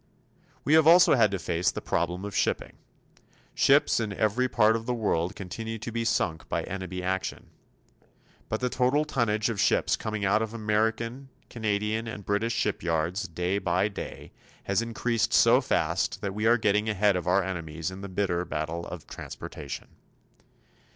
We have also had to face the problem of shipping. Ships in every part of the world continue to be sunk by enemy action. But the total tonnage of ships coming out of American, Canadian and British shipyards, day by day, has increased so fast that we are getting ahead of our enemies in the bitter battle of transportation.